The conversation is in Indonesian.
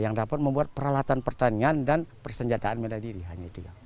yang dapat membuat peralatan pertanian dan persenjataan bela diri hanya dia